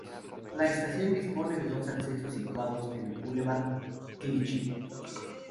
La estación dispone de dos accesos situados en el bulevar Clichy.